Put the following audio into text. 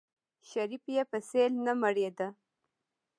شريف يې په سيل نه مړېده.